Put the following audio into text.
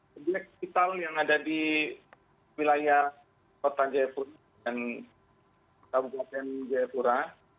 sejak kita yang ada di wilayah kota jayapura dan tabungan jaya pura